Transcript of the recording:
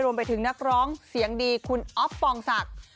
นักร้องเสียงดีคุณอ๊อฟปองศักดิ์